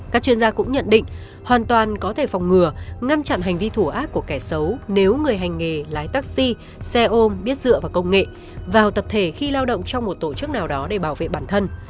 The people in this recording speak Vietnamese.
các chuyên gia cũng nhận định hoàn toàn có thể phòng ngừa ngăn chặn hành vi thủ ác của kẻ xấu nếu người hành nghề lái taxi xe ôm biết dựa vào công nghệ vào tập thể khi lao động trong một tổ chức nào đó để bảo vệ bản thân